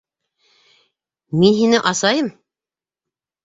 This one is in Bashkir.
Мин һине асайым!